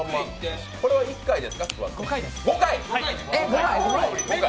これは１回ですか？